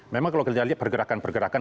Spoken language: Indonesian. memang kalau kita lihat pergerakan pergerakan